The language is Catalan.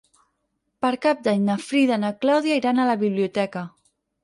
Per Cap d'Any na Frida i na Clàudia iran a la biblioteca.